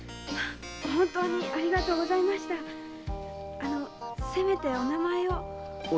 あのせめてお名前を？